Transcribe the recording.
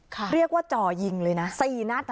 ค่ะเรียกว่าจ่อยิงเลยนะ๔รับนัด